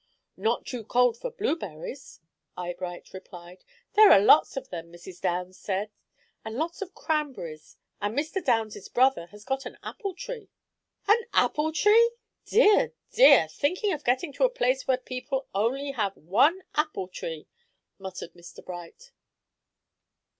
"Not too cold for blueberries," Eyebright replied. "There are lots of them, Mrs. Downs says, and lots of cranberries, and Mr. Downs's brother has got an apple tree." "An apple tree! Dear! dear! Think of getting to a place where people have only one apple tree," muttered Mr. Bright.